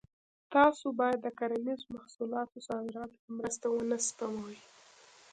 تاسو باید د کرنیزو محصولاتو صادراتو کې مرسته ونه سپموئ.